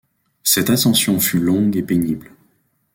Cette ascension fut longue et pénible.